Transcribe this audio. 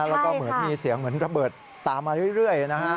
แล้วก็เหมือนมีเสียงเหมือนระเบิดตามมาเรื่อยนะฮะ